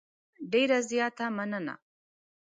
ډېره زیاته مننه .